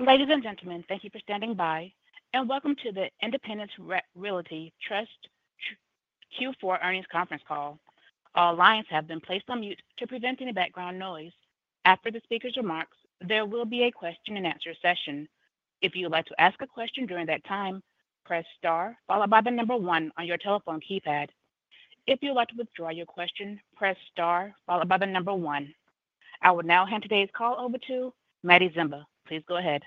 Ladies and gentlemen, thank you for standing by, and welcome to the Independence Realty Trust Q4 earnings conference call. All lines have been placed on mute to prevent any background noise. After the speaker's remarks, there will be a question-and-answer session. If you would like to ask a question during that time, press star followed by the number one on your telephone keypad. If you would like to withdraw your question, press star followed by the number one. I will now hand today's call over to Maddy Zimba. Please go ahead.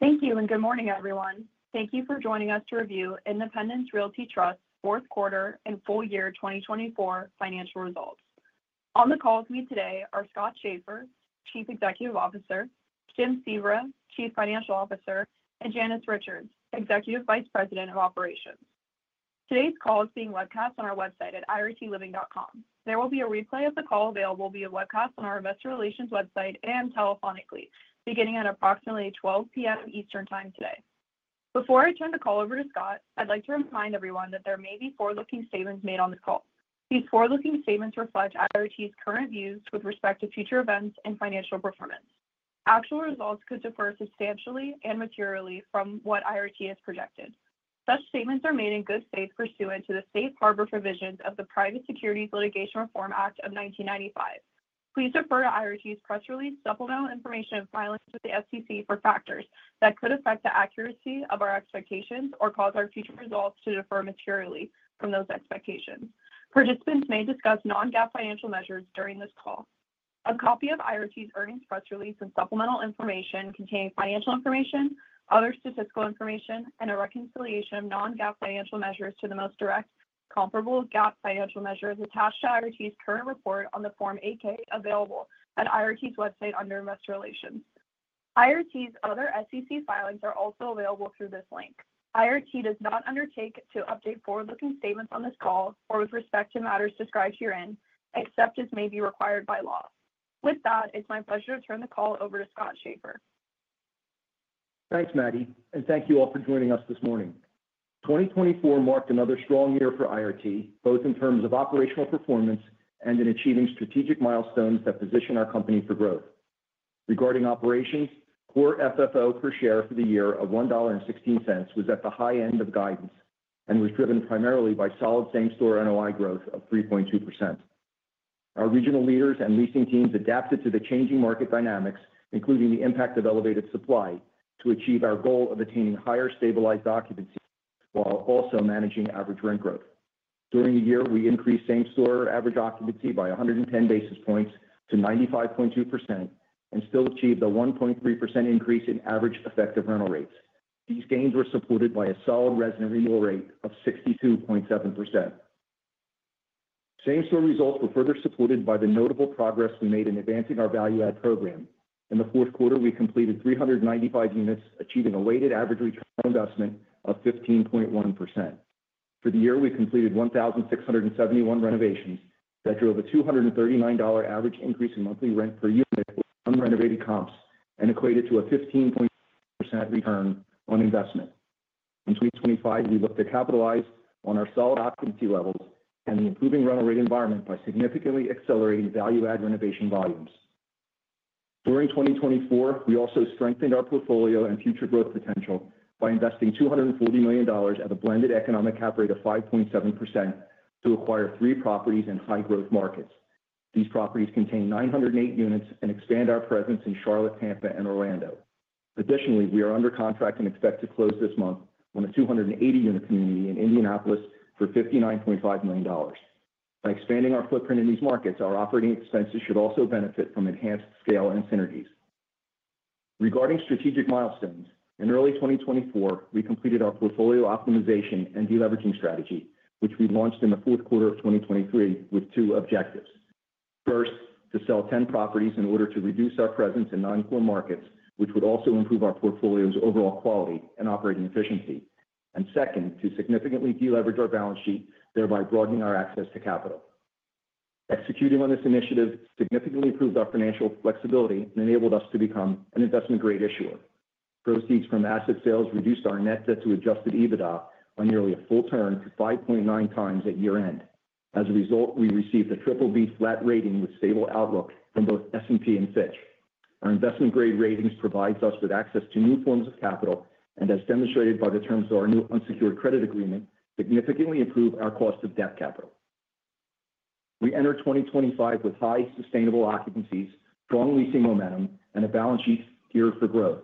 Thank you and good morning, everyone. Thank you for joining us to review Independence Realty Trust's Q4 and full year 2024 financial results. On the call with me today are Scott Schaeffer, Chief Executive Officer, Jim Sebra, Chief Financial Officer, and Janice Richards, Executive Vice President of Operations. Today's call is being webcast on our website at irtliving.com. There will be a replay of the call available via webcast on our Investor Relations website and telephonically, beginning at approximately 12:00 P.M. Eastern Time today. Before I turn the call over to Scott, I'd like to remind everyone that there may be forward-looking statements made on the call. These forward-looking statements reflect IRT's current views with respect to future events and financial performance. Actual results could differ substantially and materially from what IRT has projected. Such statements are made in good faith pursuant to the safe harbor provisions of the Private Securities Litigation Reform Act of 1995. Please refer to IRT's press release, supplemental information, and filings with the SEC for factors that could affect the accuracy of our expectations or cause our future results to differ materially from those expectations. Participants may discuss non-GAAP financial measures during this call. A copy of IRT's earnings press release and supplemental information contains financial information, other statistical information, and a reconciliation of non-GAAP financial measures to the most directly comparable GAAP financial measures attached to IRT's current report on the Form 8-K available at IRT's website under Investor Relations. IRT's other SEC filings are also available through this link. IRT does not undertake to update forward-looking statements on this call or with respect to matters described herein except as may be required by law. With that, it's my pleasure to turn the call over to Scott Schaeffer. Thanks, Maddie, and thank you all for joining us this morning. 2024 marked another strong year for IRT, both in terms of operational performance and in achieving strategic milestones that position our company for growth. Regarding operations, core FFO per share for the year of $1.16 was at the high end of guidance and was driven primarily by solid same-store NOI growth of 3.2%. Our regional leaders and leasing teams adapted to the changing market dynamics, including the impact of elevated supply, to achieve our goal of attaining higher stabilized occupancy while also managing average rent growth. During the year, we increased same-store average occupancy by 110 basis points to 95.2% and still achieved a 1.3% increase in average effective rental rates. These gains were supported by a solid resident renewal rate of 62.7%. Same-store results were further supported by the notable progress we made in advancing our value-add program. In the Q4, we completed 395 units, achieving a weighted average return on investment of 15.1%. For the year, we completed 1,671 renovations that drove a $239 average increase in monthly rent per unit with unrenovated comps and equated to a 15.6% return on investment. In 2025, we looked to capitalize on our solid occupancy levels and the improving rental rate environment by significantly accelerating value-add renovation volumes. During 2024, we also strengthened our portfolio and future growth potential by investing $240 million at a blended economic cap rate of 5.7% to acquire three properties in high-growth markets. These properties contain 908 units and expand our presence in Charlotte, Tampa, and Orlando. Additionally, we are under contract and expect to close this month on a 280-unit community in Indianapolis for $59.5 million. By expanding our footprint in these markets, our operating expenses should also benefit from enhanced scale and synergies. Regarding strategic milestones, in early 2024, we completed our portfolio optimization and deleveraging strategy, which we launched in the Q4 of 2023 with two objectives. First, to sell 10 properties in order to reduce our presence in non-core markets, which would also improve our portfolio's overall quality and operating efficiency. And second, to significantly deleverage our balance sheet, thereby broadening our access to capital. Executing on this initiative significantly improved our financial flexibility and enabled us to become an investment-grade issuer. Proceeds from asset sales reduced our Net Debt to Adjusted EBITDA by nearly a full turn to 5.9 times at year-end. As a result, we received a triple-B flat rating with stable outlook from both S&P and Fitch. Our investment-grade ratings provide us with access to new forms of capital and, as demonstrated by the terms of our new unsecured credit agreement, significantly improve our cost of debt capital. We enter 2025 with high sustainable occupancies, strong leasing momentum, and a balance sheet geared for growth.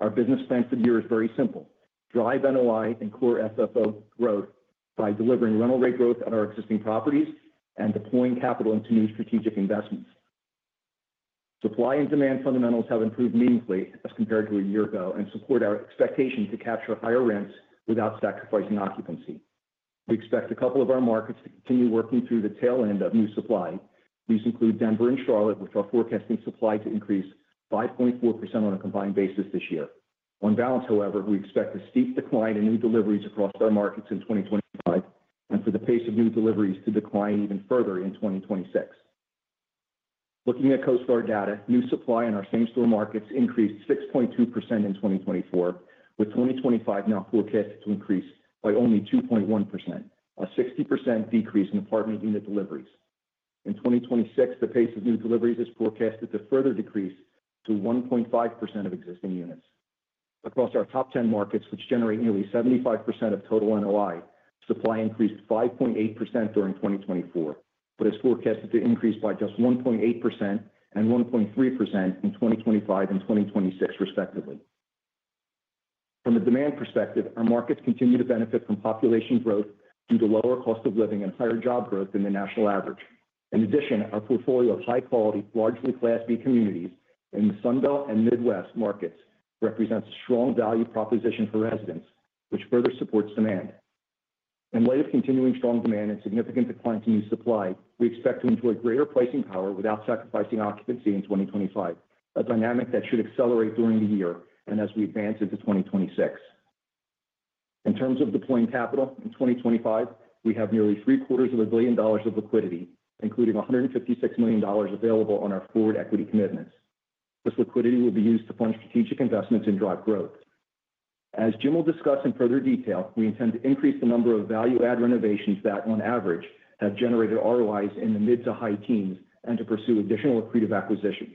Our business plan for the year is very simple: drive NOI and Core FFO growth by delivering rental rate growth at our existing properties and deploying capital into new strategic investments. Supply and demand fundamentals have improved meaningfully as compared to a year ago and support our expectation to capture higher rents without sacrificing occupancy. We expect a couple of our markets to continue working through the tail end of new supply. These include Denver and Charlotte, which are forecasting supply to increase 5.4% on a combined basis this year. On balance, however, we expect a steep decline in new deliveries across our markets in 2025 and for the pace of new deliveries to decline even further in 2026. Looking at CoStar Group data, new supply in our same-store markets increased 6.2% in 2024, with 2025 now forecasted to increase by only 2.1%, a 60% decrease in apartment unit deliveries. In 2026, the pace of new deliveries is forecasted to further decrease to 1.5% of existing units. Across our top 10 markets, which generate nearly 75% of total NOI, supply increased 5.8% during 2024, but is forecasted to increase by just 1.8% and 1.3% in 2025 and 2026, respectively. From a demand perspective, our markets continue to benefit from population growth due to lower cost of living and higher job growth than the national average. In addition, our portfolio of high-quality, largely Class B communities in the Sunbelt and Midwest markets represents a strong value proposition for residents, which further supports demand. In light of continuing strong demand and significant decline in new supply, we expect to enjoy greater pricing power without sacrificing occupancy in 2025, a dynamic that should accelerate during the year and as we advance into 2026. In terms of deploying capital, in 2025, we have nearly $750 million of liquidity, including $156 million available on our forward equity commitments. This liquidity will be used to fund strategic investments and drive growth. As Jim will discuss in further detail, we intend to increase the number of value-add renovations that, on average, have generated ROIs in the mid to high teens and to pursue additional accretive acquisitions.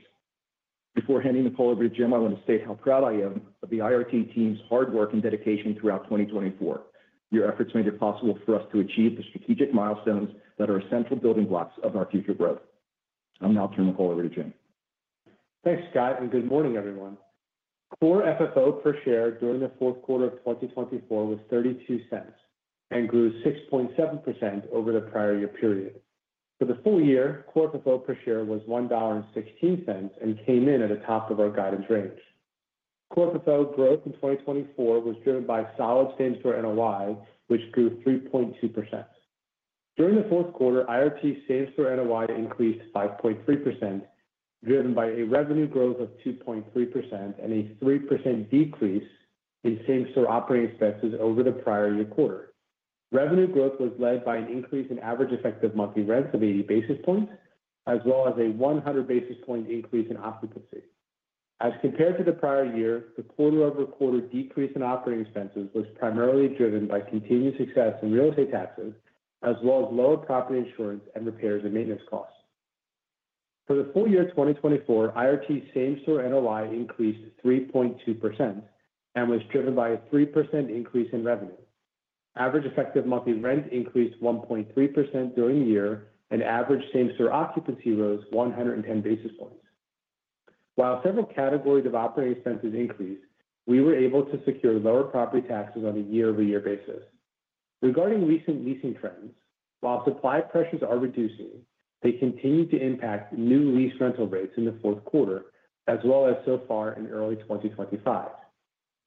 Before handing the call over to Jim, I want to state how proud I am of the IRT team's hard work and dedication throughout 2024. Your efforts made it possible for us to achieve the strategic milestones that are essential building blocks of our future growth. I'll now turn the call over to Jim. Thanks, Scott, and good morning, everyone. Core FFO per share during the Q4 of 2024 was $0.32 and grew 6.7% over the prior year period. For the full year, Core FFO per share was $1.16 and came in at the top of our guidance range. Core FFO growth in 2024 was driven by solid Same-Store NOI, which grew 3.2%. During the Q4, IRT's Same-Store NOI increased 5.3%, driven by a revenue growth of 2.3% and a 3% decrease in same-store operating expenses over the prior year quarter. Revenue growth was led by an increase in average effective monthly rents of 80 basis points, as well as a 100 basis point increase in occupancy. As compared to the prior year, the quarter-over-quarter decrease in operating expenses was primarily driven by continued success in real estate taxes, as well as lower property insurance and repairs and maintenance costs. For the full year 2024, IRT's Same-Store NOI increased 3.2% and was driven by a 3% increase in revenue. Average effective monthly rent increased 1.3% during the year, and average same-store occupancy rose 110 basis points. While several categories of operating expenses increased, we were able to secure lower property taxes on a year-over-year basis. Regarding recent leasing trends, while supply pressures are reducing, they continue to impact new lease rental rates in the Q4, as well as so far in early 2025.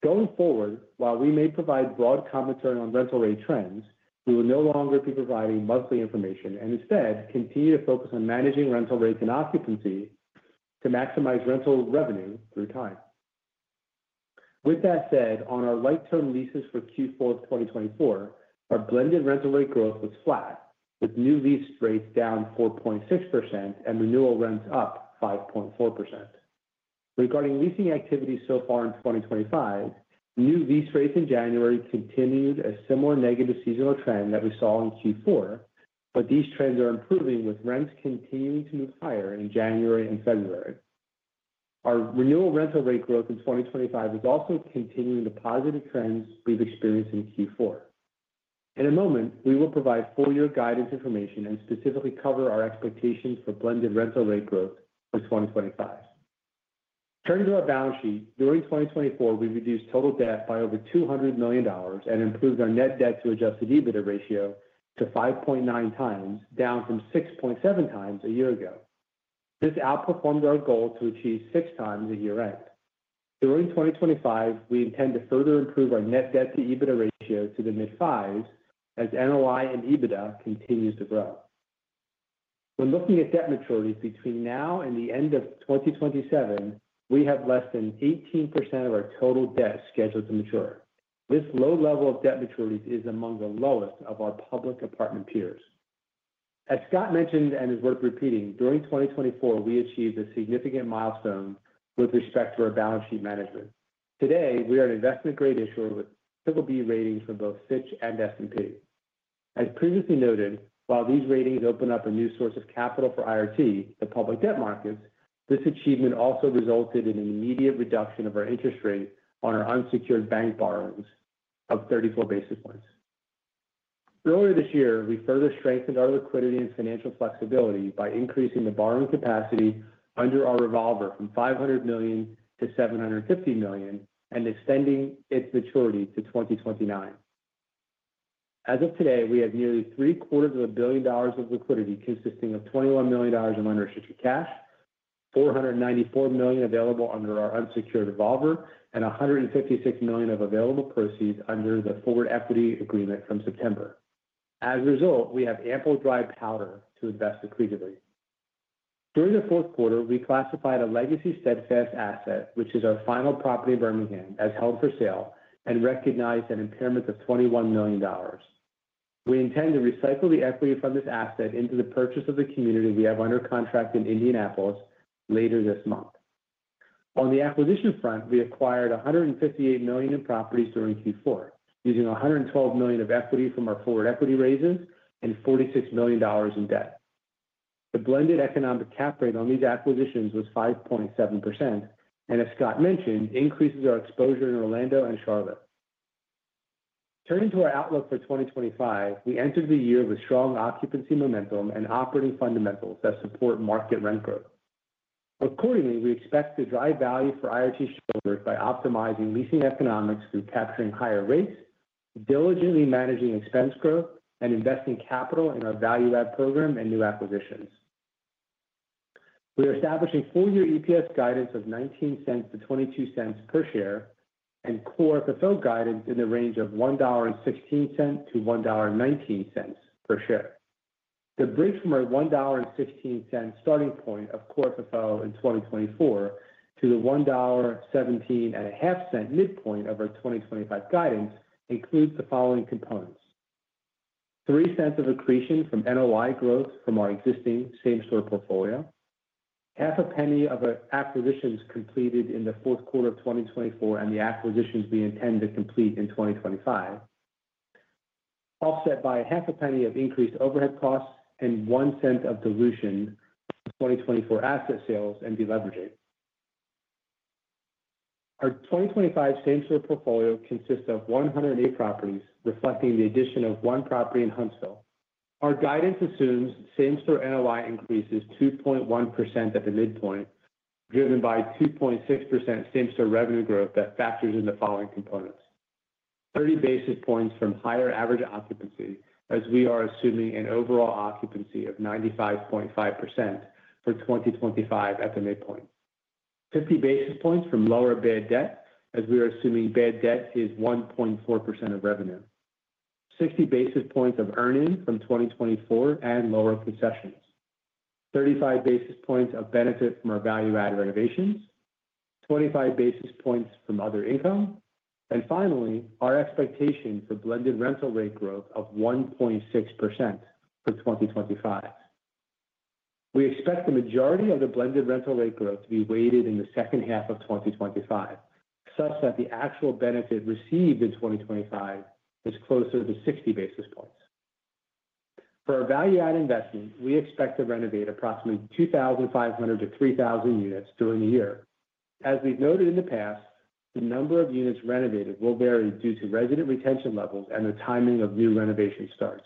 Going forward, while we may provide broad commentary on rental rate trends, we will no longer be providing monthly information and instead continue to focus on managing rental rates and occupancy to maximize rental revenue over time. With that said, on our short-term leases for Q4 of 2024, our blended rental rate growth was flat, with new lease rates down 4.6% and renewal rents up 5.4%. Regarding leasing activity so far in 2025, new lease rates in January continued a similar negative seasonal trend that we saw in Q4, but these trends are improving with rents continuing to move higher in January and February. Our renewal rental rate growth in 2025 is also continuing the positive trends we've experienced in Q4. In a moment, we will provide full-year guidance information and specifically cover our expectations for blended rental rate growth for 2025. Turning to our balance sheet, during 2024, we reduced total debt by over $200 million and improved our net debt to adjusted EBITDA ratio to 5.9 times, down from 6.7 times a year ago. This outperformed our goal to achieve six times a year-end. During 2025, we intend to further improve our net debt to EBITDA ratio to the mid-fives as NOI and EBITDA continues to grow. When looking at debt maturities between now and the end of 2027, we have less than 18% of our total debt scheduled to mature. This low level of debt maturities is among the lowest of our public apartment peers. As Scott mentioned and is worth repeating, during 2024, we achieved a significant milestone with respect to our balance sheet management. Today, we are an investment-grade issuer with triple-B ratings for both Fitch and S&P. As previously noted, while these ratings open up a new source of capital for IRT, the public debt markets, this achievement also resulted in an immediate reduction of our interest rate on our unsecured bank borrowings of 34 basis points. Earlier this year, we further strengthened our liquidity and financial flexibility by increasing the borrowing capacity under our revolver from $500 million to $750 million and extending its maturity to 2029. As of today, we have nearly three-quarters of a billion dollars of liquidity consisting of $21 million of unrestricted cash, $494 million available under our unsecured revolver, and $156 million of available proceeds under the forward equity agreement from September. As a result, we have ample dry powder to invest accretively. During the Q4, we classified a legacy Steadfast asset, which is our final property in Birmingham, as held for sale and recognized an impairment of $21 million. We intend to recycle the equity from this asset into the purchase of the community we have under contract in Indianapolis later this month. On the acquisition front, we acquired $158 million in properties during Q4, using $112 million of equity from our forward equity raises and $46 million in debt. The blended economic cap rate on these acquisitions was 5.7%, and as Scott mentioned, increases our exposure in Orlando and Charlotte. Turning to our outlook for 2025, we entered the year with strong occupancy momentum and operating fundamentals that support market rent growth. Accordingly, we expect to drive value for IRT shareholders by optimizing leasing economics through capturing higher rates, diligently managing expense growth, and investing capital in our value-add program and new acquisitions. We are establishing full-year EPS guidance of $0.19-$0.22 per share and core FFO guidance in the range of $1.16-$1.19 per share. The break from our $1.16 starting point of core FFO in 2024 to the $1.175 midpoint of our 2025 guidance includes the following components: $0.03 of accretion from NOI growth from our existing same-store portfolio, $0.005 of acquisitions completed in the Q4 of 2024 and the acquisitions we intend to complete in 2025, offset by $0.005 of increased overhead costs and $0.01 of dilution from 2024 asset sales and deleveraging. Our 2025 same-store portfolio consists of 108 properties, reflecting the addition of one property in Huntsville. Our guidance assumes same-store NOI increases 2.1% at the midpoint, driven by 2.6% same-store revenue growth that factors in the following components: 30 basis points from higher average occupancy, as we are assuming an overall occupancy of 95.5% for 2025 at the midpoint. 50 basis points from lower bad debt, as we are assuming bad debt is 1.4% of revenue. 60 basis points of earnings from 2024 and lower concessions. 35 basis points of benefit from our value-add renovations. 25 basis points from other income. And finally, our expectation for blended rental rate growth of 1.6% for 2025. We expect the majority of the blended rental rate growth to be weighted in the second half of 2025, such that the actual benefit received in 2025 is closer to 60 basis points. For our value-add investment, we expect to renovate approximately 2,500-3,000 units during the year. As we've noted in the past, the number of units renovated will vary due to resident retention levels and the timing of new renovation starts.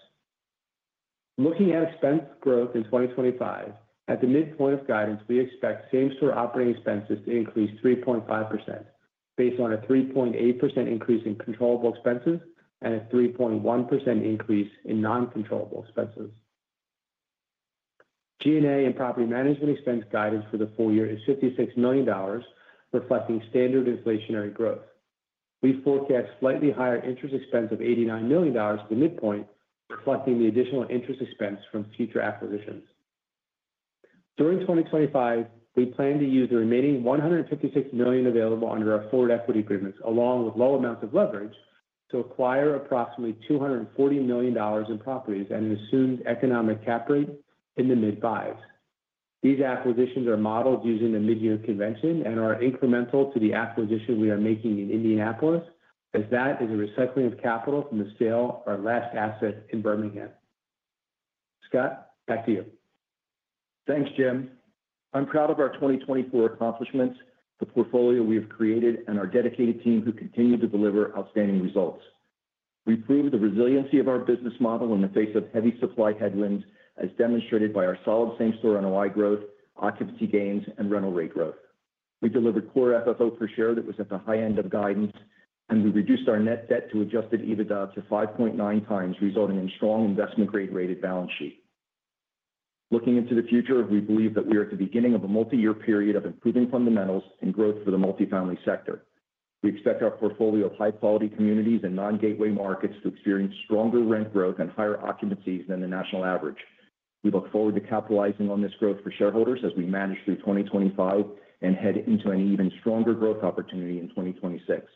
Looking at expense growth in 2025, at the midpoint of guidance, we expect same-store operating expenses to increase 3.5% based on a 3.8% increase in controllable expenses and a 3.1% increase in non-controllable expenses. G&A and property management expense guidance for the full year is $56 million, reflecting standard inflationary growth. We forecast slightly higher interest expense of $89 million at the midpoint, reflecting the additional interest expense from future acquisitions. During 2025, we plan to use the remaining $156 million available under our forward equity agreements, along with low amounts of leverage, to acquire approximately $240 million in properties and an assumed economic cap rate in the mid-fives. These acquisitions are modeled using the mid-year convention and are incremental to the acquisition we are making in Indianapolis, as that is a recycling of capital from the sale of our last asset in Birmingham. Scott, back to you. Thanks, Jim. I'm proud of our 2024 accomplishments, the portfolio we have created, and our dedicated team who continue to deliver outstanding results. We proved the resiliency of our business model in the face of heavy supply headwinds, as demonstrated by our solid same-store NOI growth, occupancy gains, and rental rate growth. We delivered core FFO per share that was at the high end of guidance, and we reduced our net debt to adjusted EBITDA to 5.9 times, resulting in strong investment-grade rated balance sheet. Looking into the future, we believe that we are at the beginning of a multi-year period of improving fundamentals and growth for the multifamily sector. We expect our portfolio of high-quality communities and non-gateway markets to experience stronger rent growth and higher occupancies than the national average. We look forward to capitalizing on this growth for shareholders as we manage through 2025 and head into an even stronger growth opportunity in 2026.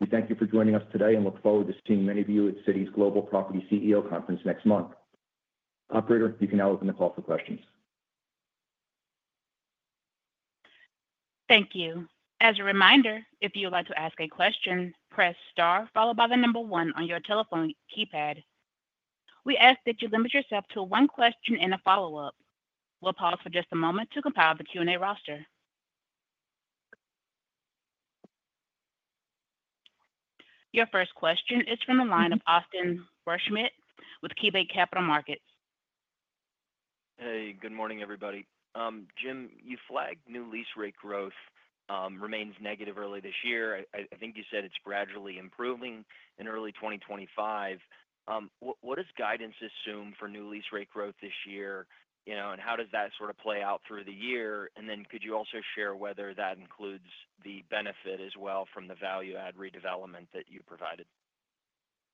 We thank you for joining us today and look forward to seeing many of you at Citi's Global Property CEO Conference next month. Operator, you can now open the call for questions. Thank you. As a reminder, if you would like to ask a question, press star followed by the number one on your telephone keypad. We ask that you limit yourself to one question and a follow-up. We'll pause for just a moment to compile the Q&A roster. Your first question is from the line of Austin Wurschmidt with KeyBanc Capital Markets. Hey, good morning, everybody. Jim, you flagged new lease rate growth remains negative early this year. I think you said it's gradually improving in early 2025. What does guidance assume for new lease rate growth this year? And how does that sort of play out through the year? And then could you also share whether that includes the benefit as well from the value-add redevelopment that you provided?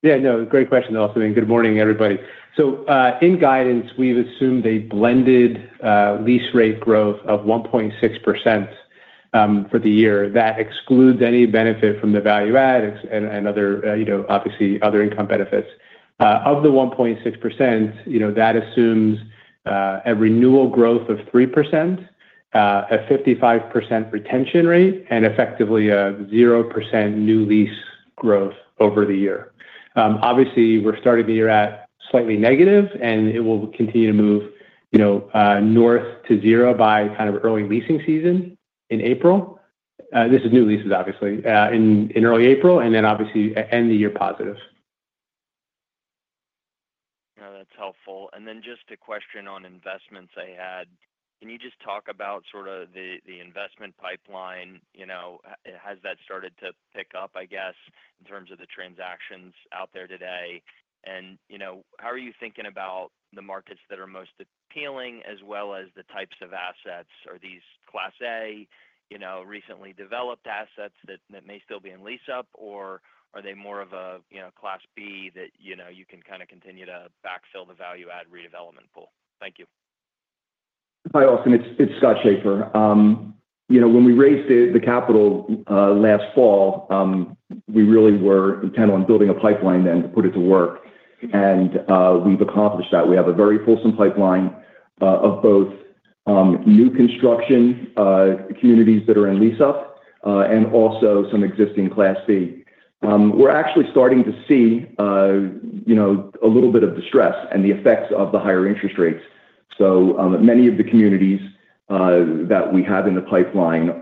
Yeah, no, great question, Austin. Good morning, everybody. So in guidance, we've assumed a blended lease rate growth of 1.6% for the year. That excludes any benefit from the value-add and other, obviously, other income benefits. Of the 1.6%, that assumes a renewal growth of 3%, a 55% retention rate, and effectively a 0% new lease growth over the year. Obviously, we're starting the year at slightly negative, and it will continue to move north to zero by kind of early leasing season in April. This is new leases, obviously, in early April, and then obviously end the year positive. Yeah, that's helpful. And then just a question on investments I had. Can you just talk about sort of the investment pipeline? Has that started to pick up, I guess, in terms of the transactions out there today? And how are you thinking about the markets that are most appealing, as well as the types of assets? Are these Class A, recently developed assets that may still be in lease-up, or are they more of a Class B that you can kind of continue to backfill the value-add redevelopment pool? Thank you. Hi, Austin. It's Scott Schaeffer. When we raised the capital last fall, we really were intent on building a pipeline then to put it to work, and we've accomplished that. We have a very fulsome pipeline of both new construction communities that are in lease-up and also some existing Class B. We're actually starting to see a little bit of distress and the effects of the higher interest rates, so many of the communities that we have in the pipeline,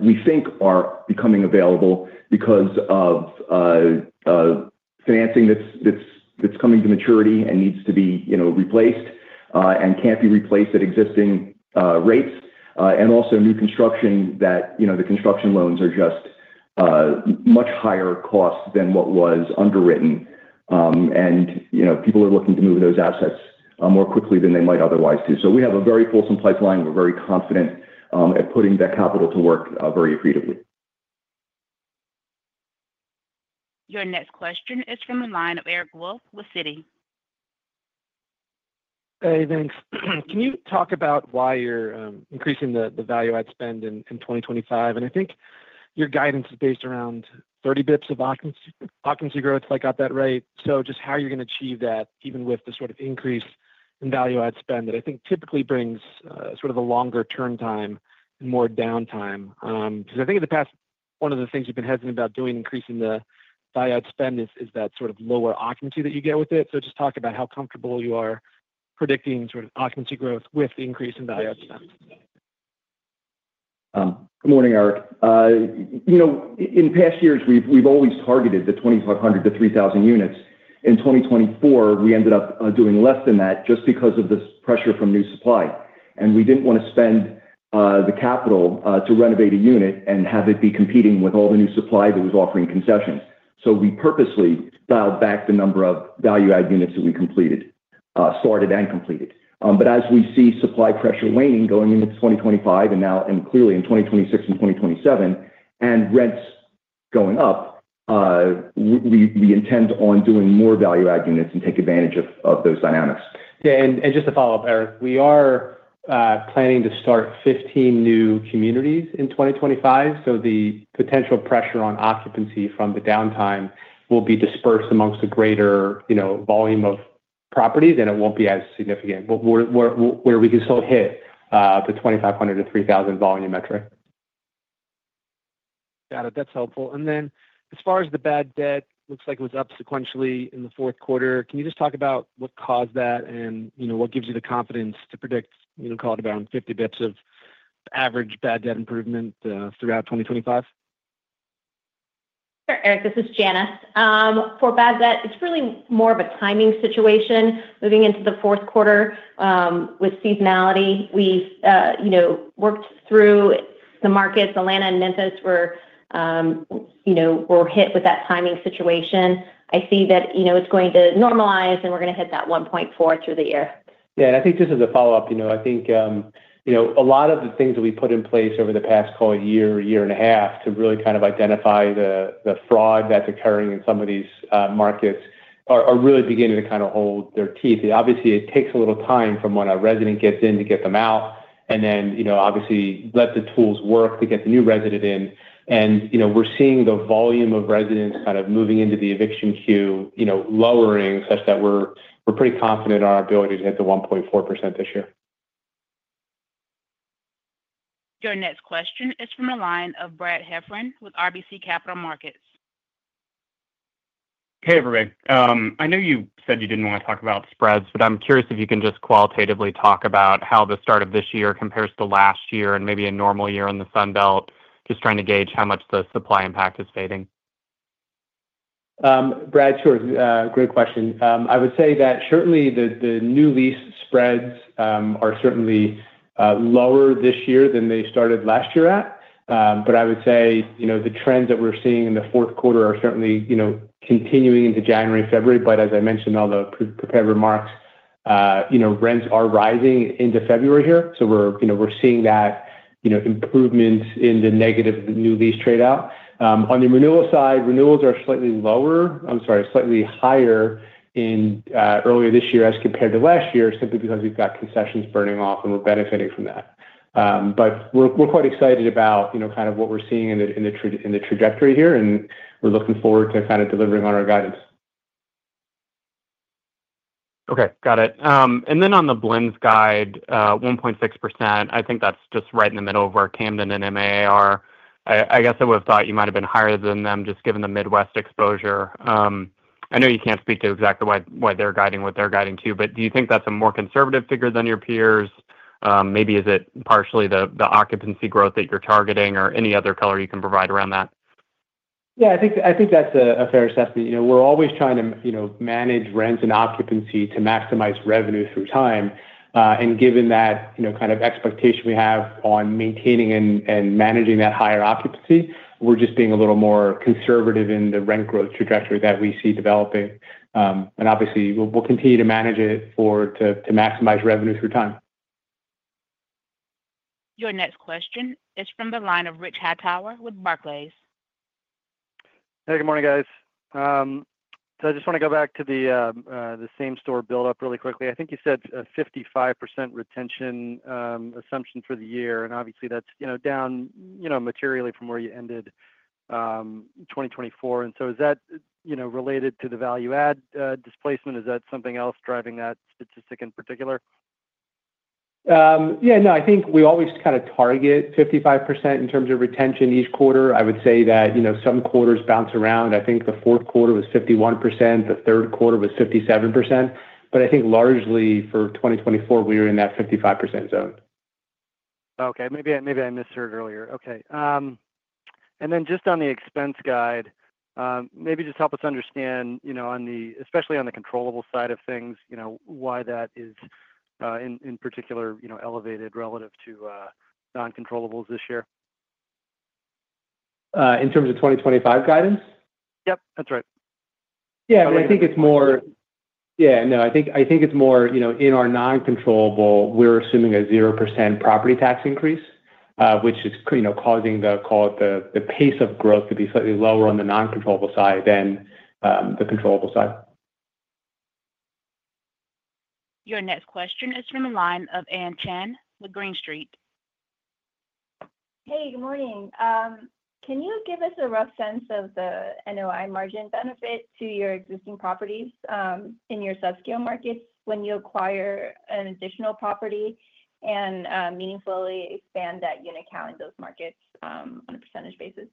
we think, are becoming available because of financing that's coming to maturity and needs to be replaced and can't be replaced at existing rates, and also new construction that the construction loans are just much higher cost than what was underwritten, and people are looking to move those assets more quickly than they might otherwise do, so we have a very fulsome pipeline. We're very confident at putting that capital to work very accretively. Your next question is from the line of Eric Wolfe with Citi. Hey, thanks. Can you talk about why you're increasing the value-add spend in 2025? And I think your guidance is based around 30 basis points of occupancy growth, if I got that right. So just how you're going to achieve that, even with the sort of increase in value-add spend that I think typically brings sort of a longer turn time and more downtime. Because I think in the past, one of the things you've been hesitant about doing, increasing the value-add spend, is that sort of lower occupancy that you get with it. So just talk about how comfortable you are predicting sort of occupancy growth with the increase in value-add spend. Good morning, Eric. In past years, we've always targeted the 2,500-3,000 units. In 2024, we ended up doing less than that just because of the pressure from new supply, and we didn't want to spend the capital to renovate a unit and have it be competing with all the new supply that was offering concessions, so we purposely dialed back the number of value-add units that we started and completed, but as we see supply pressure waning going into 2025 and now clearly in 2026 and 2027, and rents going up, we intend on doing more value-add units and take advantage of those dynamics. Yeah. And just to follow up, Eric, we are planning to start 15 new communities in 2025. So the potential pressure on occupancy from the downtime will be dispersed among a greater volume of properties, and it won't be as significant, where we can still hit the 2,500-3,000 volume metric. Got it. That's helpful. And then as far as the bad debt, looks like it was up sequentially in the Q4. Can you just talk about what caused that and what gives you the confidence to predict call it around 50 basis points of average bad debt improvement throughout 2025? Sure, Eric. This is Janice. For bad debt, it's really more of a timing situation. Moving into the Q4 with seasonality, we've worked through the markets. Atlanta and Memphis were hit with that timing situation. I see that it's going to normalize, and we're going to hit that 1.4 through the year. Yeah. And I think just as a follow-up, I think a lot of the things that we put in place over the past, call it a year, year and a half, to really kind of identify the fraud that's occurring in some of these markets are really beginning to kind of show their teeth. Obviously, it takes a little time from when a resident gets in to get them out, and then obviously let the tools work to get the new resident in. And we're seeing the volume of residents kind of moving into the eviction queue, lowering such that we're pretty confident on our ability to hit the 1.4% this year. Your next question is from the line of Brad Heffern with RBC Capital Markets. Hey, everybody. I know you said you didn't want to talk about spreads, but I'm curious if you can just qualitatively talk about how the start of this year compares to last year and maybe a normal year in the Sunbelt, just trying to gauge how much the supply impact is fading. Brad, sure. Great question. I would say that certainly the new lease spreads are certainly lower this year than they started last year at. But I would say the trends that we're seeing in the Q4 are certainly continuing into January, February. But as I mentioned in all the prepared remarks, rents are rising into February here. So we're seeing that improvement in the negative new lease trade-off. On the renewal side, renewals are slightly lower, I'm sorry, slightly higher, in early this year as compared to last year, simply because we've got concessions burning off, and we're benefiting from that. But we're quite excited about kind of what we're seeing in the trajectory here, and we're looking forward to kind of delivering on our guidance. Okay. Got it. And then on the blends guide, 1.6%, I think that's just right in the middle of where Camden and MAA are. I guess I would have thought you might have been higher than them just given the Midwest exposure. I know you can't speak to exactly why they're guiding what they're guiding to, but do you think that's a more conservative figure than your peers? Maybe is it partially the occupancy growth that you're targeting or any other color you can provide around that? Yeah, I think that's a fair assessment. We're always trying to manage rents and occupancy to maximize revenue through time, and given that kind of expectation we have on maintaining and managing that higher occupancy, we're just being a little more conservative in the rent growth trajectory that we see developing, and obviously, we'll continue to manage it to maximize revenue through time. Your next question is from the line of Rich Hightower with Barclays. Hey, good morning, guys, so I just want to go back to the same store build-up really quickly. I think you said a 55% retention assumption for the year, and obviously, that's down materially from where you ended 2024, and so is that related to the value-add displacement? Is that something else driving that statistic in particular? Yeah, no, I think we always kind of target 55% in terms of retention each quarter. I would say that some quarters bounce around. I think the Q4 was 51%. The Q3 was 57%. But I think largely for 2024, we were in that 55% zone. Okay. Maybe I misheard earlier. Okay. And then just on the expense guide, maybe just help us understand, especially on the controllable side of things, why that is in particular elevated relative to non-controllables this year. In terms of 2025 guidance? Yep, that's right. Yeah, I think it's more, yeah, no, I think it's more in our non-controllable. We're assuming a 0% property tax increase, which is causing the, call it, the pace of growth to be slightly lower on the non-controllable side than the controllable side. Your next question is from the line of Ann Chan with Green Street. Hey, good morning. Can you give us a rough sense of the NOI margin benefit to your existing properties in your subscale markets when you acquire an additional property and meaningfully expand that unit count in those markets on a percentage basis?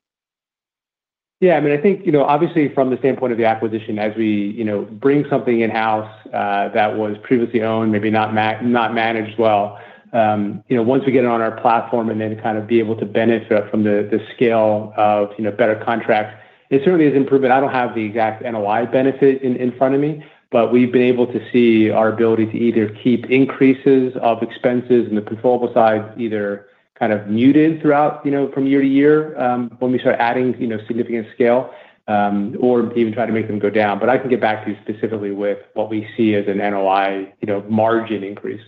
Yeah. I mean, I think obviously from the standpoint of the acquisition, as we bring something in-house that was previously owned, maybe not managed well, once we get it on our platform and then kind of be able to benefit from the scale of better contracts, it certainly is improvement. I don't have the exact NOI benefit in front of me, but we've been able to see our ability to either keep increases of expenses in the controllable side, either kind of muted throughout from year to year when we start adding significant scale, or even try to make them go down. But I can get back to you specifically with what we see as an NOI margin increase.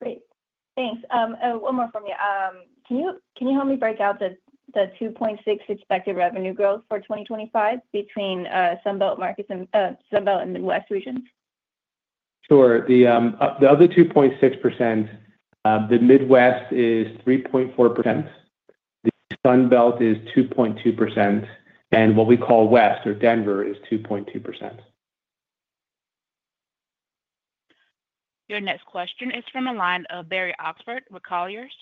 Great. Thanks. One more from you. Can you help me break out the 2.6 expected revenue growth for 2025 between Sunbelt markets and Sunbelt and Midwest regions? Sure. The other 2.6%, the Midwest is 3.4%. The Sunbelt is 2.2%. And what we call West or Denver is 2.2%. Your next question is from the line of Barry Oxford with Colliers.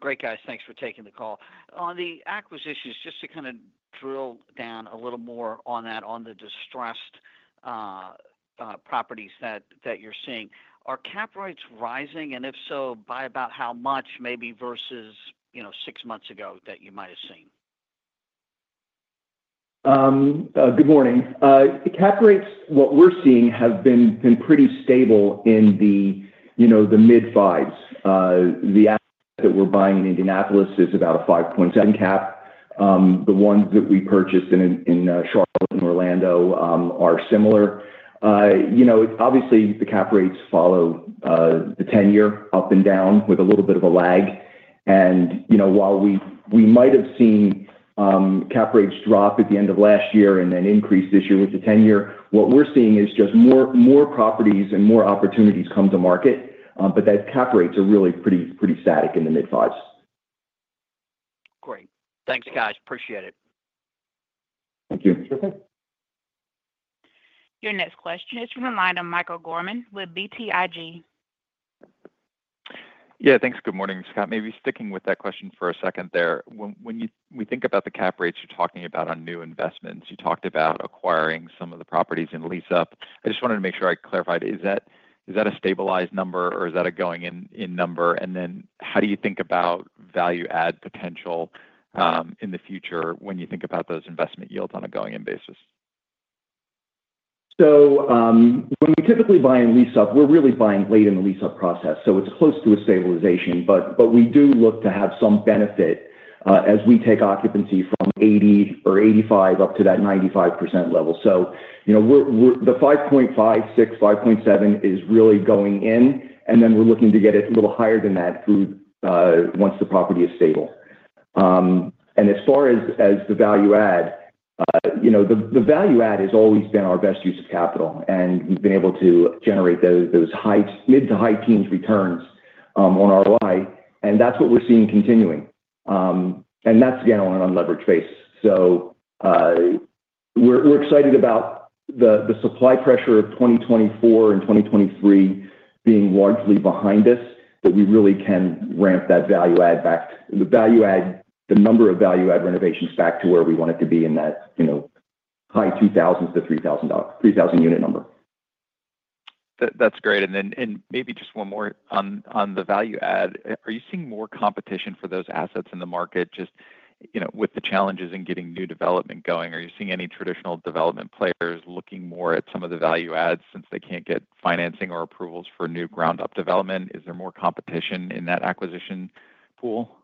Great, guys. Thanks for taking the call. On the acquisitions, just to kind of drill down a little more on that, on the distressed properties that you're seeing, are cap rates rising? And if so, by about how much, maybe versus six months ago that you might have seen? Good morning. Cap rates, what we're seeing have been pretty stable in the mid-5s. The asset that we're buying in Indianapolis is about a 5.7 cap. The ones that we purchased in Charlotte and Orlando are similar. Obviously, the cap rates follow the 10-year up and down with a little bit of a lag, and while we might have seen cap rates drop at the end of last year and then increase this year with the 10-year, what we're seeing is just more properties and more opportunities come to market, but the cap rates are really pretty static in the mid-5s. Great. Thanks, guys. Appreciate it. Thank you. Sure thing. Your next question is from the line of Michael Gorman with BTIG. Yeah, thanks. Good morning, Scott. Maybe sticking with that question for a second there. When we think about the cap rates you're talking about on new investments, you talked about acquiring some of the properties in lease-up. I just wanted to make sure I clarified. Is that a stabilized number, or is that a going-in number? And then how do you think about value-add potential in the future when you think about those investment yields on a going-in basis? So when we typically buy in lease-up, we're really buying late in the lease-up process. So it's close to a stabilization, but we do look to have some benefit as we take occupancy from 80 or 85 up to that 95% level. So the 5.5, 6, 5.7 is really going in, and then we're looking to get it a little higher than that once the property is stable. And as far as the value-add, the value-add has always been our best use of capital, and we've been able to generate those mid to high teens returns on ROI, and that's what we're seeing continuing. And that's again on an unleveraged basis. So we're excited about the supply pressure of 2024 and 2023 being largely behind us, that we really can ramp that value-add back, the number of value-add renovations back to where we want it to be in that high 2,000-3,000 unit number. That's great. And then maybe just one more on the value-add. Are you seeing more competition for those assets in the market just with the challenges in getting new development going? Are you seeing any traditional development players looking more at some of the value-add since they can't get financing or approvals for new ground-up development? Is there more competition in that acquisition pool?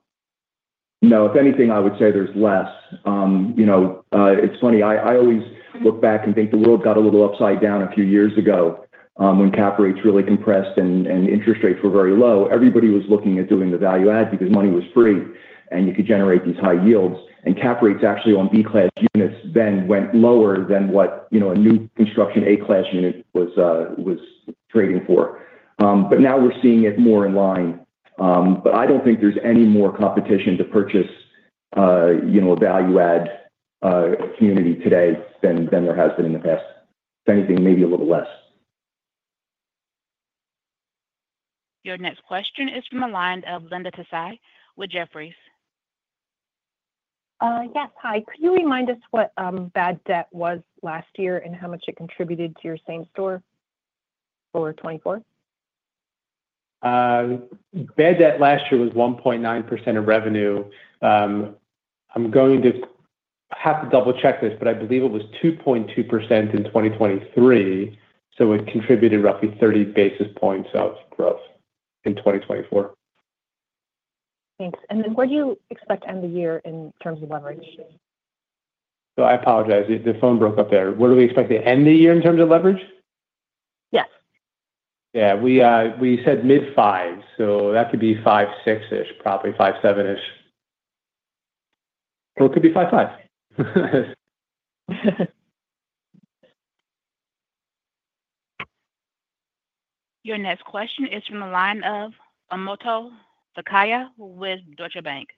No. If anything, I would say there's less. It's funny. I always look back and think the world got a little upside down a few years ago when cap rates really compressed and interest rates were very low. Everybody was looking at doing the value-add because money was free and you could generate these high yields. And cap rates actually on Class B units then went lower than what a new construction Class A unit was trading for. But now we're seeing it more in line. But I don't think there's any more competition to purchase a value-add community today than there has been in the past. If anything, maybe a little less. Your next question is from the line of Linda Tsai with Jefferies. Yes. Hi. Could you remind us what bad debt was last year and how much it contributed to your same store for 2024? Bad debt last year was 1.9% of revenue. I'm going to have to double-check this, but I believe it was 2.2% in 2023. So it contributed roughly 30 basis points of growth in 2024. Thanks, and then where do you expect to end the year in terms of leverage? So I apologize. The phone broke up there. Where do we expect to end the year in terms of leverage? Yes. Yeah. We said mid-5, so that could be 5.6-ish, probably 5.7-ish. Or it could be 5.5. Your next question is from the line of Omotayo Okusanya with Deutsche Bank.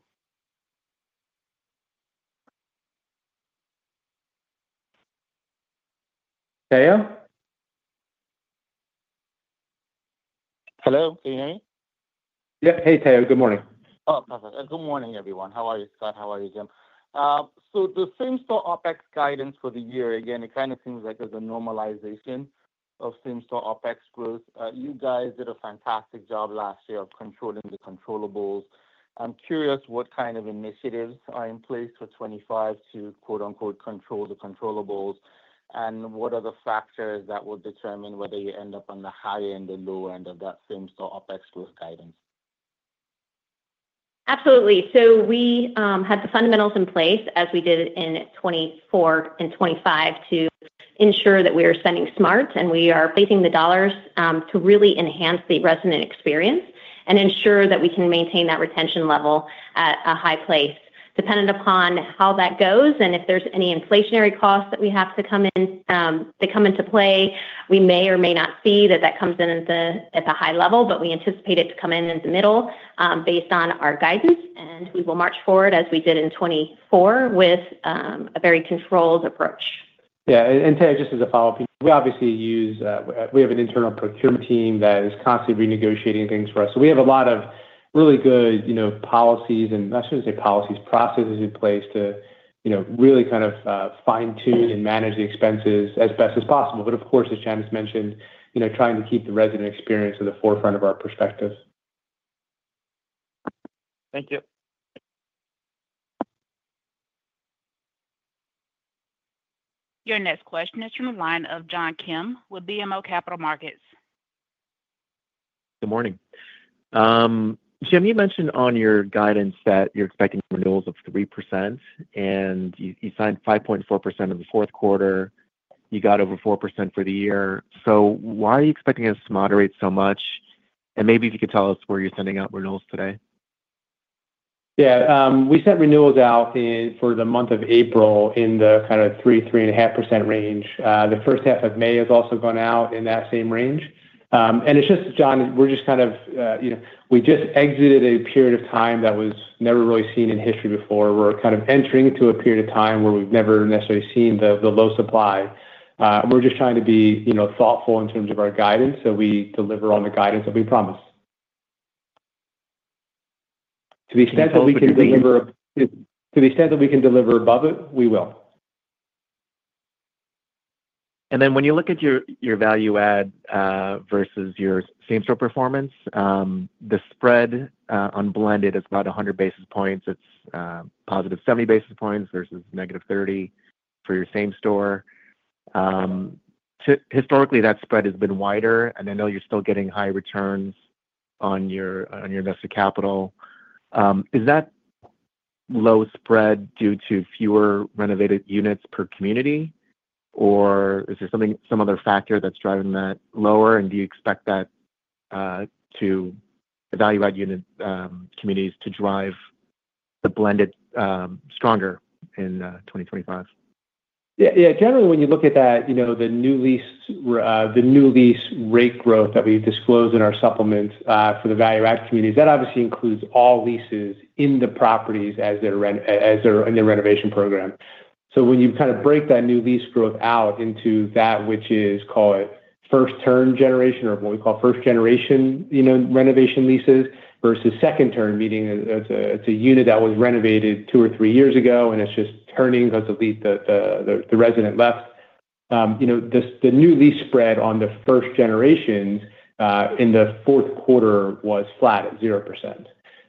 Tayo? Hello. Can you hear me? Yep. Hey, Tayo. Good morning. Oh, perfect. Good morning, everyone. How are you, Scott? How are you, Jim? So the Same-Store OpEx guidance for the year, again, it kind of seems like there's a normalization of Same-Store OpEx growth. You guys did a fantastic job last year of controlling the controllables. I'm curious what kind of initiatives are in place for 2025 to "control the controllables" and what are the factors that will determine whether you end up on the high end or low end of that Same-Store OpEx growth guidance? Absolutely. So we had the fundamentals in place as we did in 2024 and 2025 to ensure that we are spending smart, and we are placing the dollars to really enhance the resident experience and ensure that we can maintain that retention level at a high place. Dependent upon how that goes and if there's any inflationary costs that we have to come into play, we may or may not see that comes in at the high level, but we anticipate it to come in in the middle based on our guidance, and we will march forward as we did in 2024 with a very controlled approach. Yeah, and Tayo, just as a follow-up, we obviously, we have an internal procurement team that is constantly renegotiating things for us. So we have a lot of really good policies and, I shouldn't say policies, processes in place to really kind of fine-tune and manage the expenses as best as possible, but of course, as Janice mentioned, trying to keep the resident experience at the forefront of our perspective. Thank you. Your next question is from the line of John Kim with BMO Capital Markets. Good morning. Jim, you mentioned on your guidance that you're expecting renewals of 3%, and you signed 5.4% in the Q4. You got over 4% for the year. So why are you expecting us to moderate so much? And maybe if you could tell us where you're sending out renewals today? Yeah. We sent renewals out for the month of April in the kind of 3-3.5% range. The first half of May has also gone out in that same range. And it's just, John, we're just kind of exited a period of time that was never really seen in history before. We're kind of entering into a period of time where we've never necessarily seen the low supply. We're just trying to be thoughtful in terms of our guidance so we deliver on the guidance that we promised. To the extent that we can deliver above it, we will. Then when you look at your value-add versus your same-store performance, the spread on blended is about 100 basis points. It's positive 70 basis points versus negative 30 for your same-store. Historically, that spread has been wider, and I know you're still getting high returns on your invested capital. Is that low spread due to fewer renovated units per community, or is there some other factor that's driving that lower? And do you expect that to value-add communities to drive the blended stronger in 2025? Yeah. Yeah. Generally, when you look at that, the new lease rate growth that we disclose in our supplements for the value-add communities, that obviously includes all leases in the properties as they're in the renovation program. So when you kind of break that new lease growth out into that, which is, call it first-turn generation or what we call first-generation renovation leases versus second-turn, meaning it's a unit that was renovated two or three years ago, and it's just turning because the resident left. The new lease spread on the first generations in the Q4 was flat at 0%.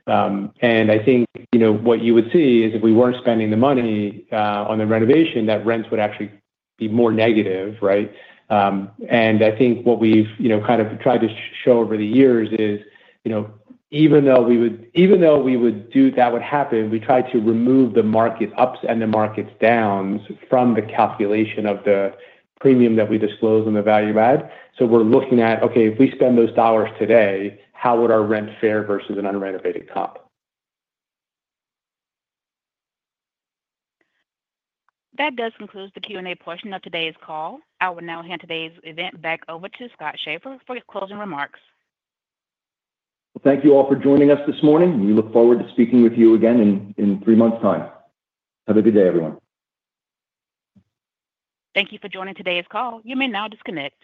And I think what you would see is if we weren't spending the money on the renovation, that rent would actually be more negative, right? I think what we've kind of tried to show over the years is even though we would do that it would happen, we tried to remove the market's ups and downs from the calculation of the premium that we disclose on the value-add. We're looking at, okay, if we spend those dollars today, how would our rent fare versus an unrenovated comp? That does conclude the Q&A portion of today's call. I will now hand today's event back over to Scott Schaeffer for closing remarks. Thank you all for joining us this morning. We look forward to speaking with you again in three months' time. Have a good day, everyone. Thank you for joining today's call. You may now disconnect.